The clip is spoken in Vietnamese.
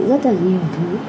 rất là nhiều thứ